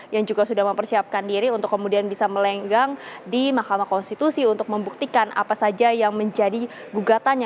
yang juga sudah mempersiapkan diri untuk kemudian bisa melenggang di mahkamah konstitusi untuk membuktikan apa saja yang menjadi gugatannya